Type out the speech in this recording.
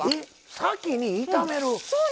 先に炒める？